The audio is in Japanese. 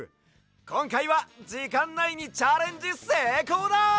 こんかいはじかんないにチャレンジせいこうだ！